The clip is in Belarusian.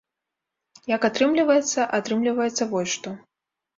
Як атрымліваецца, а атрымліваецца вось што.